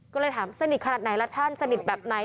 ก็เลยถามสนิทขนาดไหนล่ะท่านสนิทแบบไหน